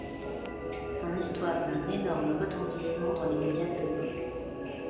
Son histoire eut un énorme retentissement dans les médias de l'époque.